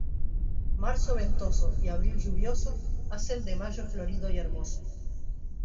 Marzo ventoso y abril lluvioso hacen de mayo florido y hermoso.